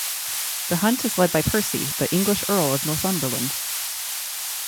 The hunt is led by Percy, the English Earl of Northumberland.